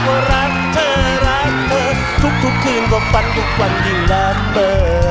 โปรดฟันทุกวันอยู่แล้วเบอร์